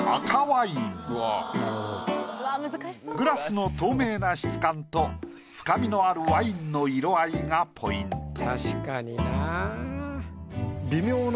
グラスの透明な質感と深みのあるワインの色合いがポイント。